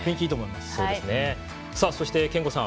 そして憲剛さん